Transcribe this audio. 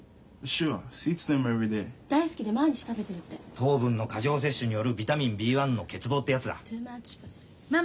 糖分の過剰摂取によるビタミンＢの欠乏ってやつだ。